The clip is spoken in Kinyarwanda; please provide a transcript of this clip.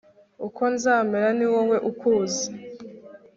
uko nzamera ni wowe ukuzi